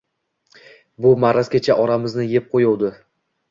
– Bu maraz kecha onamizni yeb qo‘yuvdi